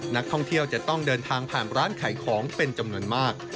นักท่องเที่ยวจะต้องเดินทางผ่านร้านขายของเป็นจำนวนมาก